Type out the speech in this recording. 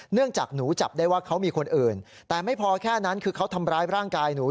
หนูจับได้ว่าเขามีคนอื่นแต่ไม่พอแค่นั้นคือเขาทำร้ายร่างกายหนู